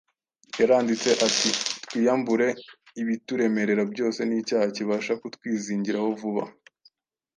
yaranditse ati: “twiyambure ibituremerera byose n’icyaha kibasha kutwizingiraho vuba,